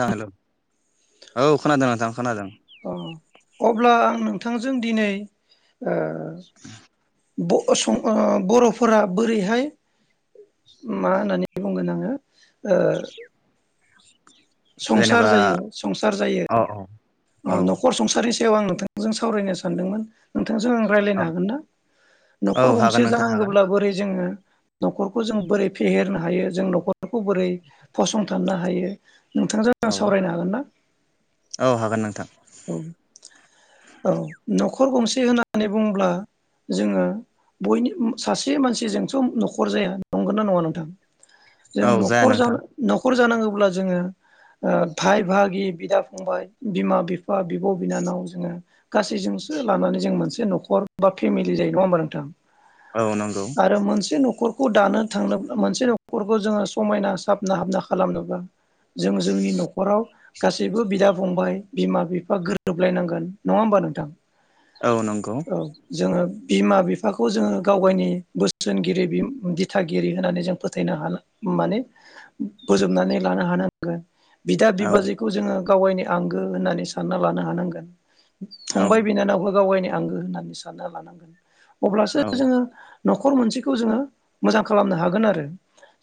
थां हेल' औ खोनादों नोंथां खोनादों। ओअब्ला आं नोंथांजों दिनै ओ ब सं बर'फोरा बोरैहाय मा होननानै बुंगोन आङो ओ संसार जेनेबा जायो संसार जायो। औ औ औ अ न'खर संसार बेव आं नोंथांजों सावरायनो सानदोंमोन। थोंजों आं रायज्लायनो औ हागोन ना? औ न'खर हागोन गंसे नोंथां हागोन जानांगौब्ला बोरै जोङो नखरखौ जों बोरै फेहेरनो हायो जों नखर खौ बोरै फसं दाननो हायो नोंथांजों आं औ सावरायनो हागोन ना औ हागोन नोंथां औ नखर गंसे होननानै बुंङोब्ला जोङो बयनि सासे मानसिजोंथ नखर जाया नंगो ना नङा नोंथां जों औ जाया नखर जानो नोंथां नख नखर जानांगोब्ला जोङो ओ भाय भागि बिदा फंबाय बिमा बिफ फा बिब' बिनानाव जोङो गासैजोंसो लानानै जों मोनसे न'खर बा फेमिलि जायो नङा होमबा नोंथां औ नंगौ आरो मोनसे न'खर नखौ दानो थांनो मोनसे न'खरखौ जोङो समायना साबना हाबना खालामनोब्ला जों जोंनि न'खराव गासैबो बिदा फंबाय बिमा बिफ गोरोबलायनांगोन नङा ओमबा नोंथां औ नंगौ औ जोङो बिमा बिफाखौ जोङो गावगायनि बोसोनगिरि बिम दिथागिरि होननानै जों फोथायनो हानां माने बोजबनानै लानो हानांगोन बिदा औ बिबाजैखौ जोङो गावगायनि आंगो होननानै सान सानना लानो हानांगोन औ फंबाय बिनानावखौ गावगायनि आं आंगो होननानै सानना लानांगोन अब्लासो औ जोङो नखर मोनसेखौ जोङो मोजां खालामनो हागोन आरो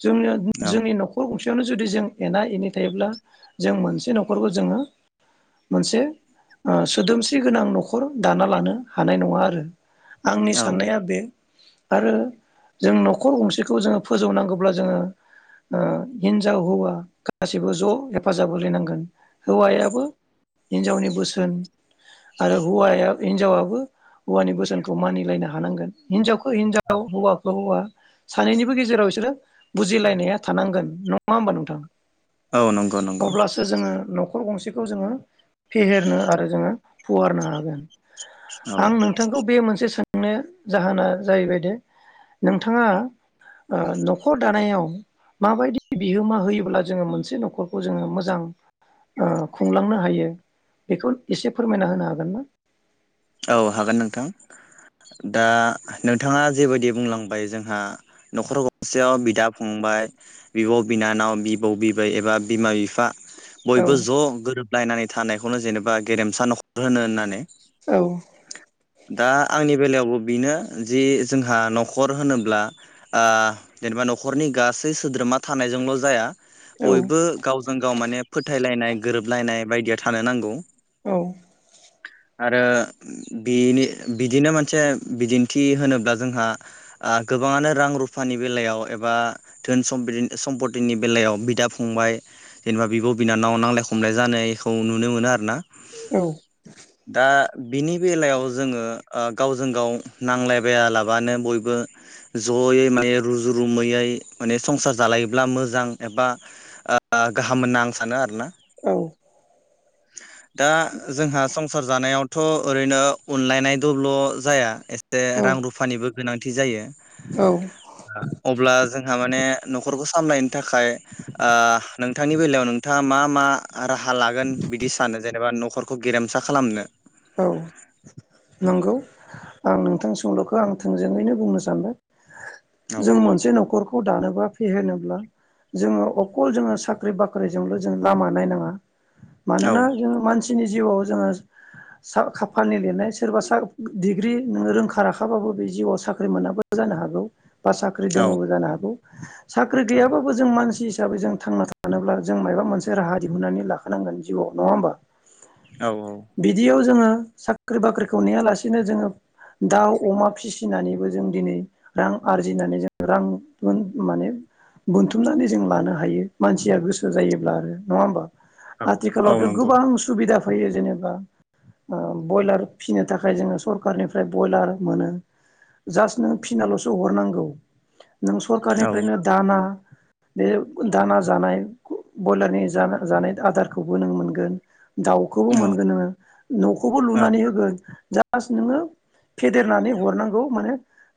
जोंङो जोंनि नखर गंसे यावनो जुदि जों एना एनि थायोब्ला जों मोनसे नखरखौ जोङो मोनसे ओ सोदोमस्रि गोनां नखर दाना लानो हानाय नङा आरो आंनि औ साननाया बे आरो जों नखर गंसेखौ जोङो फोजौ नांगौब्ला जोङो ओ हिनजाव हौवा गाैसैबो ज हेफाजाब होलायनांगोन हौवायाबो हिनजावनि बोसोन आरो हौवायाबो हिनजावाबो हौवानि बोसोनखौ मानिलायनो हानांगोन हिनजावखौ हिनजाव हौवाखौ हौवा सानैनिबो गेजेराव इसोरो बुजिलायनाया थानांगोन नङा‌ ओमबा नोंथां औ नंगौ नंगौ अब्लासो जोङो नख नखर गंसेखौ जोङो फेहेरनो आरो जोङो फुवारनो हागोन औ आं नोंथांखौ बे मोनसे सों नो जाहोना जाहैबायदि नोंथाङा‌‌ओ न'खर दानायाव माबायदि बिहोमा होयोब्ला जोङो मोनसे न'खरखौ जोङो मोजां ओ खुंलांनो हायो बेखौ एसे फोरमायना होनो हागोन ना? औ हागोन नोंथां दा नोंथाङा जेबायदि बुंलां ओमफाय जोंहा न'खर गंसेयाव बिदा फंबाय बिब बिनानाव बिबौ बिबै एबा बिमा बिफा औ बयबो ज गोरोब लायनानै थानायखौनो जेनेबा गेरेमसा नखर होनो होननानै औ दा आंनि बेलायावबो बेनो जि जोंहा न'खर होनोब्ला ओ जेनेबा न'खरनि गासै सोद्रोमा थानायजोंल जाया औ बयबो गावजों गाव माने फोथायलायनाय गोरोबलायनाय बायदिया‌ थानो नांगौ औ आरो बिनि बिदिनो मोनसे बिदिन्थि होनोब्ला जोंहा गोबाङानो रां रुफानि बेलायाव एबा धोन सम सम्पतिनि बेलायाव बिदा फंबाय जेनेबा बिब' बिनानाव नांलाय खमलाय जानायखौ नुनो मोनो आर ना औ दा बिनि बेलायाव जोङो गावजों गाव नांलायबायालाबानो बयबो जयै माने रुजु रुमैयै माने संसार जालायोब्ला मोजां एबा गाहाम होनना आं सानो आरोना औ दा जोंहा संसार जानायाव थ' ओरैनो अनलायनाय दोल'' जाया दे औ रां रुफानिबो गोनांथि जायो औ अब्ला जोंहा माने न'खरखौ खालामलानायनि थाखाय नोंथांनि बेलायाव नोंथाङा मा मा राहा लागोन बिदि सानो जेनेबा न' नखरखौ गेरेमसा खालामनो औ नंगौ आं नोंथां सोंलुखौ आं थोंजोङैनो बुंनो सानदों औ जों मोनसे न'खरखौ दानोबा फिहेरनोब्ला जोङो अखल जोङो साख्रि बाख्रिजोंल' जों लामा नायनाङा मानोना औ जों मानसिनि जिउआव जों सा खाफालानि लिरनाय सोरबा सा डिग्रि नों रोंखा राखाबाबो बे जिउआव साख्रि मोनाब्लाो जानो हागौ बा साख्रि दोङबो जानो हागौ साख्रि औ गैयाबो जों मानसि हिसाबै जों थांना थानोब्ला जों मायाबा मोनसे राहा दिहुननानै लाखोनांगोन जिउआव नङा होमबा? औ औ बिदियाव जोङो साख्रि बाख्रिखौ नेयालासेनो जोङो दाउ अमा फिसिनानैबो जों दिनै रां आरजिनानै जों रां माने बुनथुमनानै जों लानो हायो मानसिया गोसो जायोब्ला आरो नङा होमबा? औ आथिखालावथ' नंगौ गोबां सुबिदा फैयो जेनेबा बयलार फिनो थाखाय जोङो सरखारनिफ्राय बयलार मोनो जास्ट नों फिनाल'सो हरनांगौ [inaudible] नों औ सरखारनिफ्रायनो दाना बे दाना जानाय बयलारनि जाना जानाय आदारखौबो नों मोनगोन। दाउखौबो औ मोनगोन नोङो नखौबो औ लुनानै होगोन जास नोङो फेदेरनानै हरनांगौ माने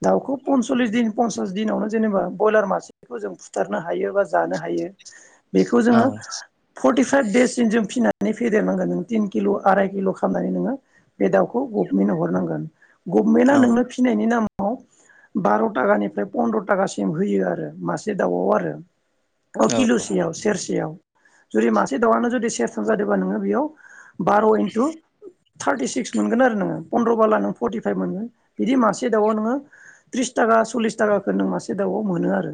दाउखौ पनसलिस दिन फनसास दिनावनो जेनेबा ब्रयलार मासेखौ जों फुथारनो हायो बा जानो हायो बेखौ औ जोङो फर्टिफाइभ दिनसिम जों फिसिनानै नानै देरनांगोन नों तिन किल आराय किल खालामनानै नोङो बे दाउखौ गभमेन्टनो हरनांगोन गभनमेन्टा औ नोंनो फिसिनायनि नाम [unintelligible] बार टाकानिफ्राय पन्द्र टागासिम होयो आरो मासे दाउआव आरो औ किलुसेयाव सेरसेयाव जुदि मासे दाउआनो जुदि सेरथाम जादोंबा नोङो बेयाव बार इन्टु थार्टि सिक्स मोनगोन आरो नोङो फनन्द्र बाला नों फर्टिफाइफ मोनगोन बिदि मासे दाउआव नोङो ट्रिस टाका सललिस टाकाखो नों मासे दाउआव मोनो आरो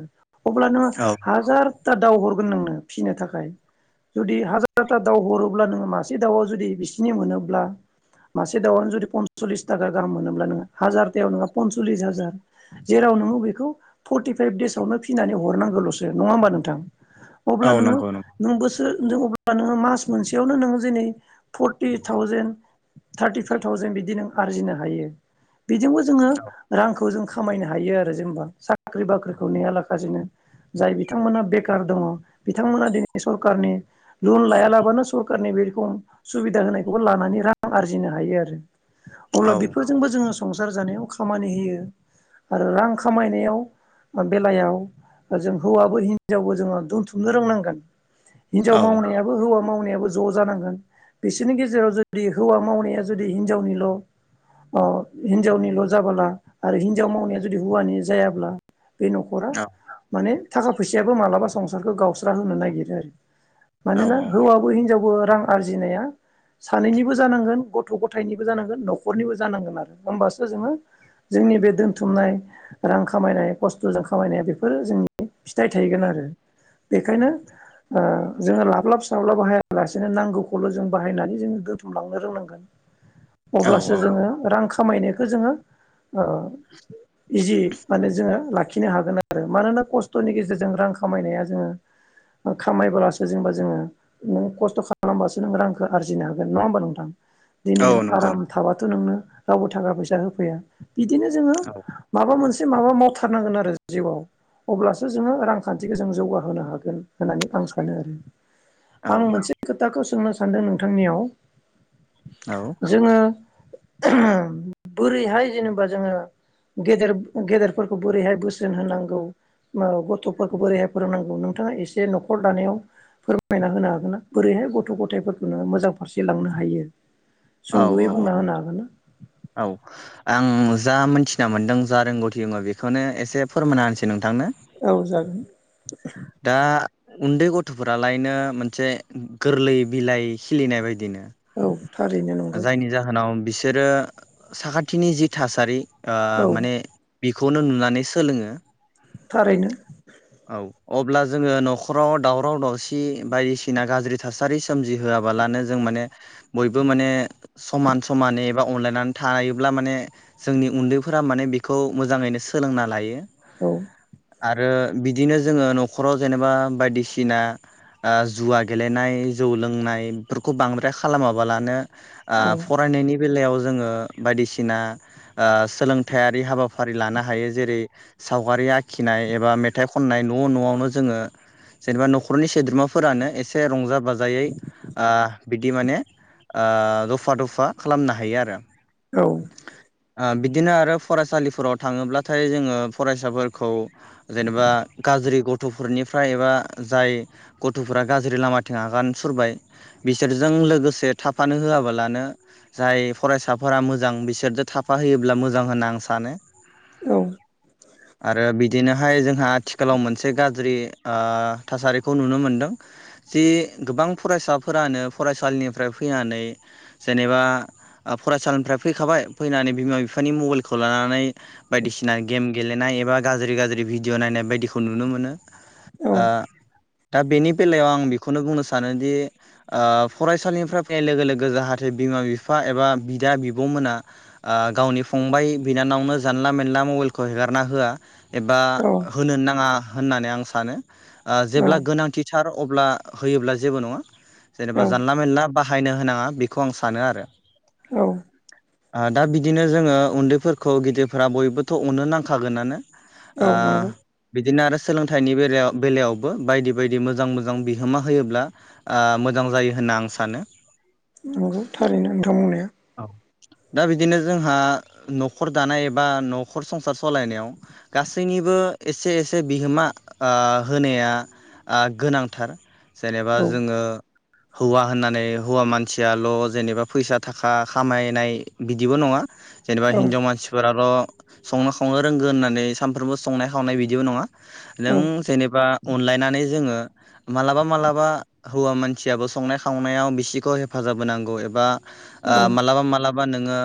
अब्लानो औ हाजार टा दाउ हरगोन नोंनो फिसिनो थाखाय जुदि हाजारथा दाउ हरोब्ला नोङो मासे दाउआव जुदि बिसिनि मोनोब्ला मासे दाउनो जुदि पनसलिस थाखा गाहाम मोनोब्ला नोङो हाजारथायाव नोङो पनसलिस हाजार जेराव नोङो बेखौ फर्टिफाइभ देसावनो फिसिनानै हरनांगौलसो नङा होमबा नोंथां? औ अब्ला नोङो नंगौ नंगौ नों बोसो दङ अब्ला नोङो मास मोनसेयावनो नोङो जेने फर्टि थाउजेन थार्टिफाइफ थावजेन बिदि नों आरजिनो हायो। बेजोंबो जोङो रांखौ जों खामायनो हायो आरो जेनेबा साख्रि बाख्रिखौ नेयालाबासिनो जाय बिथांमोना बेखार दङ बिथांमोना दिनै सरखारनि लन लाया लाबानो स [unintelligible] सुबिदा होनायखौबो लानानै रां आरजिनो हायो आरो। अब्ला औ बेफोरजोंबो जोङो संसार जानायाव खामानि होयो आरो रां खामायनायाव बेलायाव जों हौवाबो हिनजावबो जोङो दोनथुमनो रोंनांगोन। हिनजाव औ मावनायाबो हौवा मावनायाबो ज जानांगोन। बिसोरनि गेजेराव जुदि हौवा मावनाया जुदि हिनजावनिल अ हिनजावनिल जाबोला आरो हिनजाव मावनाया जुदि हौवानि जायाब्ला बे नखरा माने थाखा फैसायाबो मालाबा संसारखौ गावस्रा होनो नागिरो आरो। औ मानोना हौवाबो हिनजावबो रां आरजिनाया सानैनिबो जानांगोन गथ' गथायनिबो जानांगोन न'खरनिबो जानांगोन आरो होमबासो जोङो जोंनि बे दोनथुमनाय रां खामायनाय खस्थ'जों खामायनाया बेफोरो जोंनि फिथाइ थायगोन आरो बेखायनो जोङो लाब्लाब साब्लाब हायालासेनो नांगौ खौल' जों बाहायनानै जों दोनथुमलांनो रोंनांगोन औ अब्लासो जोङो रां खामायनायखौ जोङो ओ इजि माने जोङो लाखिनो हागोन आरो मानोना खस्थ'नि गेजेरजों रां खामायनाया जोङो खामायबोलासो जेनेबा जोङो नों खस्थ' खालामबासो रांखौ आरजिनो हागोन नङा होनबा नोंथां? दिनै औ नंगौ आराम थाबाथ' नोंनो रावबो थाखा फैसा होफैया बिदिनो जोङो औ माबा मोनसे एसे माबा मावथारनांगोन आरो जिउआव अब्लासो जोङो रांखान्थिखौ जों जौगाहोनो हागोन होननानै आं सानो आरो औ आं मोनसे खोथाखौ सोंनो सान्दों नोंथांनियाव जोङो [unintelligible] बोरैहाय जेनेबा जोङो गेदेर गेदेरफोरखौ बोरैहाय बोसोन होनांगौ गथ'फोरखौ बोरैहाय फोरोंनांगौ नोंथाङा एसे न'खर दानायाव फोरमायना होनो हागोन ना? बोरैहाय गथ' गथायफोरखौनो मोजां फारसे लांनो हायो औ औ सुंद'यै औ बुंना होनो हागोन ना औ आं जा मोनथिना मोन्दों जा रोंगौथि दोङो बेखौनो एसे फोरमायना होनसै नोंथांनो औ जागोन दा उन्दै गथ'फोरालायनो मोनसे गोरलै बिलाइ खिलिनाय बायदिनो औ थारैनो नंगौ जायनि जाहोनाव बिसे सोरो साखाथिनि जि थासारि ओ औ माने बेखौनो नुनानै सोलोङो। थारैनो। औ अब्ला जोङो न'खराव दावराव दावसि बायदिसिना गाज्रि थासारि सोमजिहोआबालानो जों माने बयबो माने समान समानै एबा अनलायनानै थायोब्ला माने जोंनि उन्दैफोरा माने बेखौ मोजाङैनो सोलोंना लायो। औ। आरो बिदिनो जोङो न'खराव जेनेबा बायदिसिना ओ जुवा गेलेनाय जौ लोंनाय फोरखौ बांद्राय खालामाबालानो ओ औ फरायनायनि बेलायाव जोङो बायदिसिना ओ सोलोंथाइारि हाबाफारि लानो हायो जेरै सावगारि आखिनाय एबा मेथाइ खननाय न' न'आवनो जोङो जेनेबा नख'रनि सोद्रोमाफोरानो एसे रंजाब बाजायै ओ बिदि माने ओ दफा दफा खालामनो हायो आरो। औ। ओ बिदिनो आरो फरायसालिफोराव थाङोब्लाथाय जोङो फरायसाफोरखौ जेनेबा ज्रि गथ'फोरनिफ्राय एबा जाय गथ'फोरा गाज्रि लामाथिं आगान सुरबाय बिसोरजों लोगोसे थाफानो होआबालानो जाय फरायसाफोरा मोजां बिसोरजों थाफा होयोब्ला मोजां होनना आं सानो। औ आरो बिदिनोहाय जोंहा आथि से गाज्रि ओ थासारिखौ नुनो मोनदों जि गोबां फरायसाफोरानो फरायसालिनिफ्राय फैनानै जेनेबा ओ फरायसालिनिफ्राय फैखाबाय फैनानै बिमा बिफानि मबाइलखौ लानानै बायदिसिना गेम गेलेनाय एबा गाज्रि गाज्रि भिडिअ' नायनाय बायदिखौ खौ नुनो मोनो। औ ओ दा बेनि बेलायाव आं बेखौनो बुंनो सानोदि ओ फरायसालिनिफ्राय फैनाय लोगो लोगो जाहाथे बिमा बिफा एबा बिदा बिब'मोना ओ गावनि फंबाय बिनानावनो जानला मेनला मबाइलखौ हेगारना होआ एबा होनो ना [unintelligible] होननानै आं सानो। ओ औ जेब्ला गोनांथिथार अब्ला होयोब्ला जेबो नङा। जेनोबा जानला मेनला बाहायनो होनाङा बेखौ आं सानो आरो। औ। ओ दा बिदिनो जोङो उन्दैफोरखौ गिदिरफोरा बयबोथ' अनो नांखागोनानो। औ ओ नंगौ बिदिनो आरो सोलोंथाइनि बेरायाव बेलायावबो बायदि बायदि मोजां मोजां बिहोमा होयोब्ला ओ मोजां जायो होनना आं सानो। नंगौ थारैनो नोंथां बुंनाया। औ दा बिदिनो जोंहा न'खर दानाय एबा न'खर संसार सलायनायाव गासैनिबो एसे एसे बिहोमा ओ होनाया ओ गोनांथार। जेनेबा औ जोङो हौवा होननानै हौवा मानसियाल' जेनेबा फैसा थाख खा खामायनाय बिदिबो नङा। जेनबा औ हिनजाव मानसिफोराल' संनो खावनो रोंगो होननानै सानफ्रोमबो संनाय खावनाय बिदिबो नङा। औ नों जेनेबा अनलायनानै जोङो मालाबा मालाबा हौवा मानसियाबो संनाय खावनायाव बिसिखौ हेफाजाब होनांगौ एबा ओ औ मालाबा मालाब बा नोङो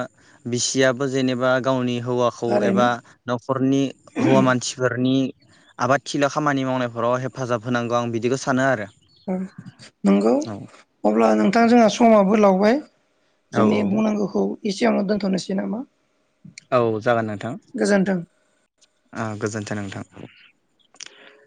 बिसियाबो जेनेबा गावनि हौवाखौ थारैनो एबा न'खरनि हौवा मानसिफोरनि आबादथिलियाव खामानि मावनायफोराव हेफाजाब होनांगौ आं बिदिखौ सानो आरो। औ नंगौ औ अब्ला नोंथां जोंहा समाबो लावबाय। औ जोंनि बुंनांगौखौ एस सिगांनो दोन्थ'नोसै नामा? औ जागोन नोंथां गोजोन्थों ओ गोजोन थों नोंथां।